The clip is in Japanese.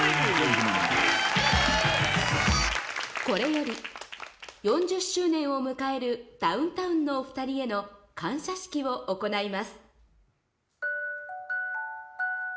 これより４０周年を迎えるダウンタウンのお２人への感謝式を行います。